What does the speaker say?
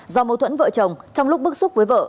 do mâu thuẫn vợ chồng trong lúc bức xúc với vợ